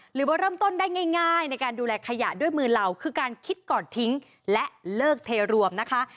หรือว่าเริ่มต้นได้ง่ายในการดูแลขยะด้วยมือเราคือการคิดก่อนทิ้งและเลิกเทรวมนะคะ